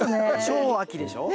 超秋でしょ？